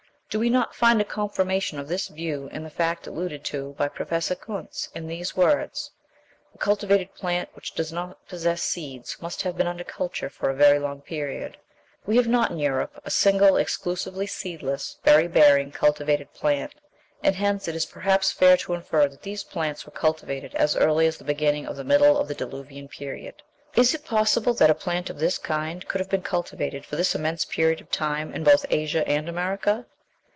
Do we not find a confirmation of this view in the fact alluded to by Professor Kuntze in these words: "A cultivated plant which does not possess seeds must have been under culture for a very long period we have not in Europe a single exclusively seedless, berry bearing, cultivated plant and hence it is perhaps fair to infer that these plants were cultivated as early as the beginning of the middle of the Diluvial Period." Is it possible that a plant of this kind could have been cultivated for this immense period of time in both Asia and America?